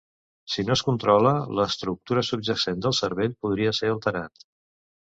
Si no es controla, l'estructura subjacent del cervell podria ser alterat.